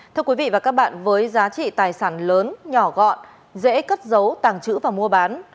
thưa quý vị và các bạn với giá trị tài sản lớn nhỏ gọn dễ cất giấu tàng trữ và mua bán